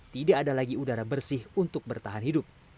tidak ada lagi udara bersih untuk bertahan hidup